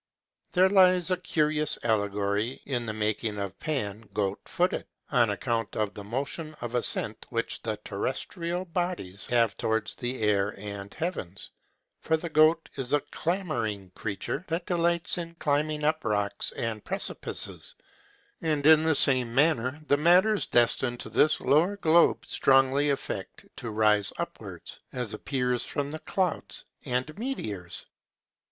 There lies a curious allegory in the making of Pan goat footed, on account of the motion of ascent which the terrestrial bodies have towards the air and heavens; for the goat is a clambering creature, that delights in climbing up rocks and precipices; and in the same manner the matters destined to this lower globe strongly affect to rise upwards, as appears from the clouds and meteors.